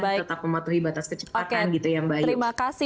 tetap mematuhi batas kecepatan gitu ya mbak ayu